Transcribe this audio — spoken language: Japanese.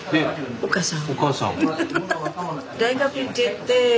お母さん。